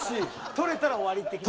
取れたら終わりって感じ？